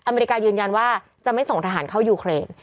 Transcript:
อเมริกายืนยันว่าจะไม่ส่งทหารเข้ายูเครน